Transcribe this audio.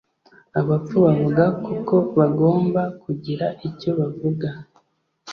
Abapfu bavuga kuko bagomba kugira icyo bavuga